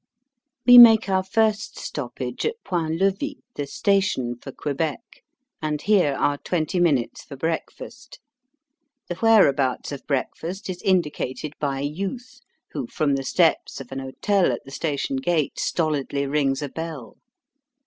We make our first stoppage at Point Levi, the station for Quebec, and here are twenty minutes for breakfast. The whereabouts of breakfast is indicated by a youth, who from the steps of an "hotel" at the station gate stolidly rings a bell.